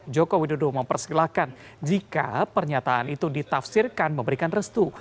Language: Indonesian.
joko widodo mempersilahkan jika pernyataan itu ditafsirkan memberikan restu